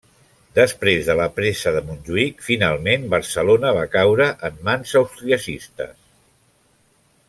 Després de la presa de Montjuïc, finalment Barcelona va caure en mans austriacistes.